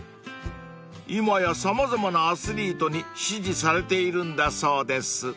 ［今や様々なアスリートに支持されているんだそうです］